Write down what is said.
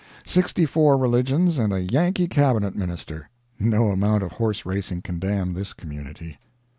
Sixty four religions and a Yankee cabinet minister. No amount of horse racing can damn this community.